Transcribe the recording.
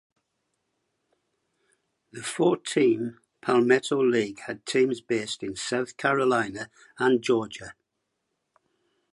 The four–team Palmetto league had teams based in South Carolina and Georgia.